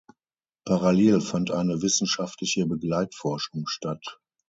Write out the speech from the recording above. Parallel fand eine wissenschaftliche Begleitforschung statt.